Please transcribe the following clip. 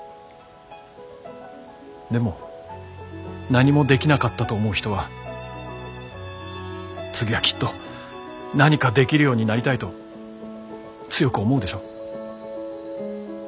でも何もできなかったと思う人は次はきっと何かできるようになりたいと強く思うでしょ？